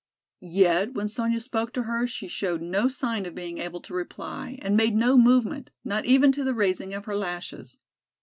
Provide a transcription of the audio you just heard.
Yet when Sonya spoke to her, she showed no sign of being able to reply and made no movement, not even to the raising of her lashes.